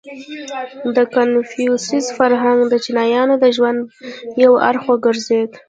• د کنفوسیوس فرهنګ د چینایانو د ژوند یو اړخ وګرځېد.